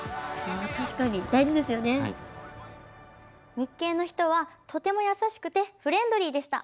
日系の人はとても優しくてフレンドリーでした。